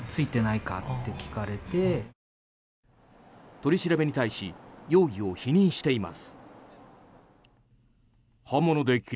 取り調べに対し容疑を否認しています。